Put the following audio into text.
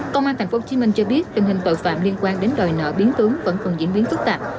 công an tp hcm cho biết tình hình tội phạm liên quan đến đòi nợ biến tướng vẫn còn diễn biến phức tạp